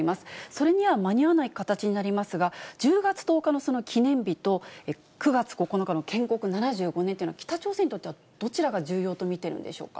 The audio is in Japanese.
それには間に合わない形になりますが、１０月１０日の記念日と、９月９日の建国７５年というのは、北朝鮮にとってはどちらが重要と見ているんでしょうか。